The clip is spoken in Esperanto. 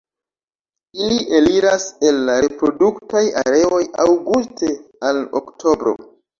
Ili eliras el la reproduktaj areoj aŭguste al oktobro.